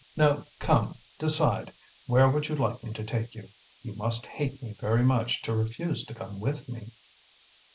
"Now, come, decide; where would you like me to take you? You must hate me very much to refuse to come with me!"